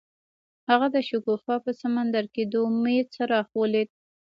هغه د شګوفه په سمندر کې د امید څراغ ولید.